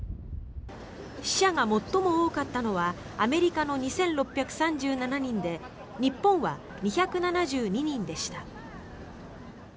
死者が最も多かったのはアメリカの２６３７人で日本は２７２人でした。